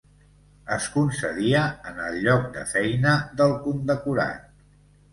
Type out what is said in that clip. Es concedia en el lloc de feina del condecorat.